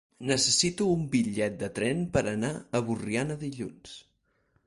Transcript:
Necessito un bitllet de tren per anar a Borriana dilluns.